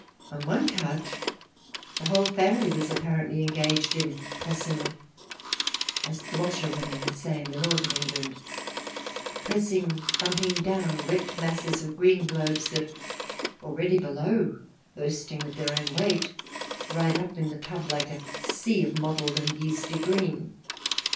On one cart the whole family was apparently engaged in " possing," as the washerwomen say in the North of England, pressing, bumping down wet masses of green globes that, already below, bursting with their own weight, ride up in the tub like a sea of mottled and yeasty green.